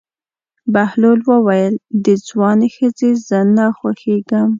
بهلول وویل: د ځوانې ښځې زه نه خوښېږم.